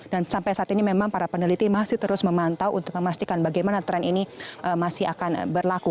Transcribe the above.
dan sampai saat ini memang para peneliti masih terus memantau untuk memastikan bagaimana tren ini masih akan berlaku